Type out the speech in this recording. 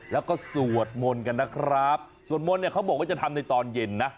แล้วก็สวดมนต์กันนะครับสวดมนต์เนี่ยเขาบอกว่าจะทำในตอนเย็นนะ